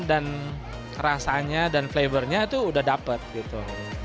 dan rasanya dan flavornya itu udah dapet gitu